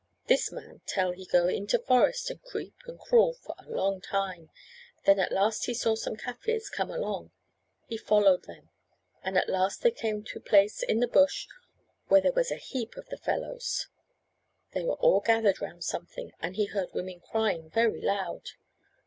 This man tell he go into forest and creep and crawl for a long time, then at last he saw some Kaffirs come along; he followed them, and at last they came to place in the bush where there was a heap of their fellows. They were all gathered round something, and he heard women crying very loud.